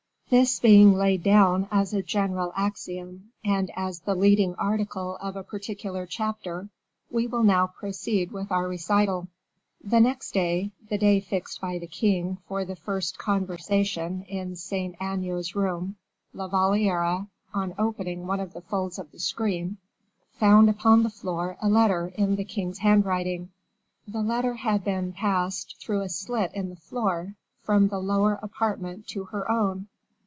This being laid down as a general axiom, and as the leading article of a particular chapter, we will now proceed with our recital. The next day, the day fixed by the king for the first conversation in Saint Aignan's room, La Valliere, on opening one of the folds of the screen, found upon the floor a letter in the king's handwriting. The letter had been passed, through a slit in the floor, from the lower apartment to her own.